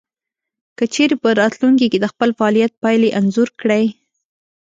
که چېرې په راتلونکې کې د خپل فعاليت پايلې انځور کړئ.